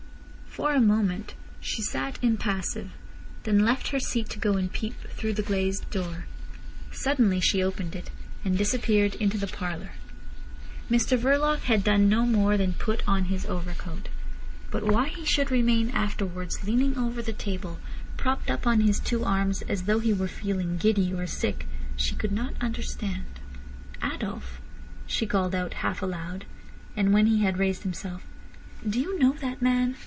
For a moment she sat impassive, then left her seat to go and peep through the glazed door. Suddenly she opened it, and disappeared into the parlour. Mr Verloc had done no more than put on his overcoat. But why he should remain afterwards leaning over the table propped up on his two arms as though he were feeling giddy or sick, she could not understand. "Adolf," she called out half aloud; and when he had raised himself: "Do you know that man?"